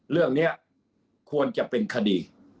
เรื่องนี้ควรจะเป็นคดี